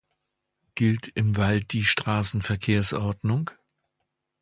Gilt im Wald die Straßenverkehrsordnung?